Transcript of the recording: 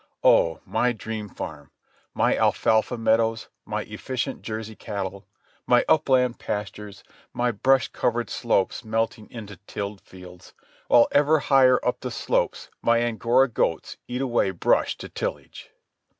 Oh, my dream farm! My alfalfa meadows, my efficient Jersey cattle, my upland pastures, my brush covered slopes melting into tilled fields, while ever higher up the slopes my angora goats eat away brush to tillage!